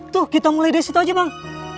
tuh kita mulai dari situ aja bang